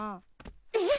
えっ！？